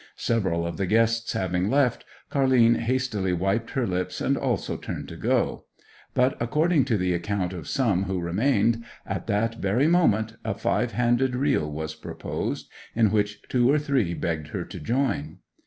Several of the guests having left, Car'line hastily wiped her lips and also turned to go; but, according to the account of some who remained, at that very moment a five handed reel was proposed, in which two or three begged her to join.